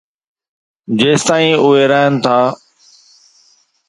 جيستائين اهي رهن ٿا.